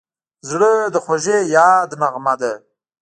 زړه د خوږې یاد نغمه ده.